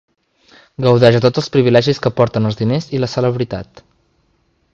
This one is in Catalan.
Gaudeix de tots els privilegis que aporten els diners i la celebritat.